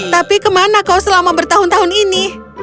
tapi kemana kau selama bertahun tahun ini